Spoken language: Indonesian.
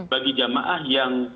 bagi jamaah yang